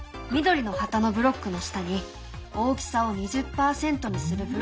緑の旗のブロックの下に「大きさを２０％にする」